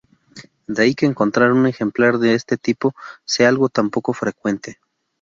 De ahí que encontrar un ejemplar de este tipo sea algo tan poco frecuente.